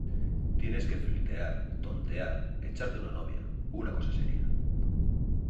tienes que flirtear, tontear , echarte una novia , una cosa seria.